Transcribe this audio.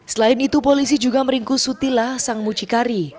selain itu polisi juga meringkus sutila sang mucikari